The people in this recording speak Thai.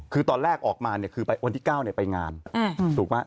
คือตอนแรกออกมาเนี่ยคือไปวันที่๙ไปงานถูกไหม